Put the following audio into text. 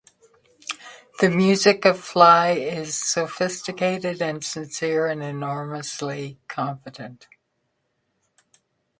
The music of Fly is sophisticated and sincere and enormously competent.